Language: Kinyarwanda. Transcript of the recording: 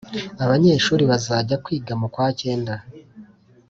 abanyeshuri bazajya kwiga mu kwa kenda